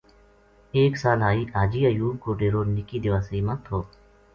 ایک سال حاجی ایوب کو ڈیرو نِکی دیواسئی ما تھو